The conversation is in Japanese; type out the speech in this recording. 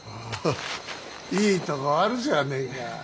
いいとこあるじゃねえか。